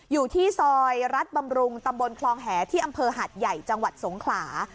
อยู่ที่ซอยรัฐบำรุงตำบลคลองแหที่อำเภอหัดใหญ่จังหวัดสงขลา